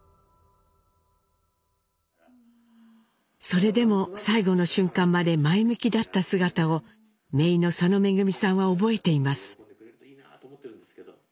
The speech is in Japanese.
それでも最期の瞬間まで前向きだった姿をめいの佐野恵さんは覚えています。